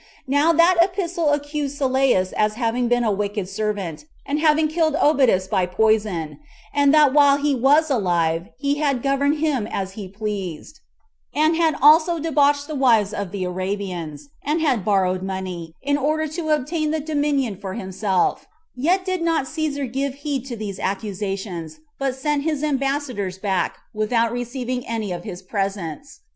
Now that epistle accused Sylleus as having been a wicked servant, and having killed Obodas by poison; and that while he was alive, he had governed him as he pleased; and had also debauched the wives of the Arabians; and had borrowed money, in order to obtain the dominion for himself: yet did not Cæsar give heed to these accusations, but sent his ambassadors back, without receiving any of his presents.